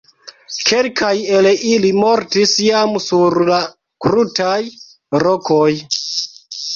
Kelkaj el ili mortis jam sur la krutaj rokoj.